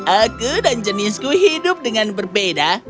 aku dan jenisku hidup dengan berbeda